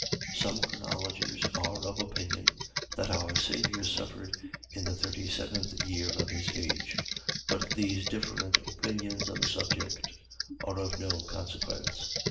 Some chronologers are of opinion that our Saviour suffered in the thirty seventh year of his age: but these different opinions on this subject are of no consequence.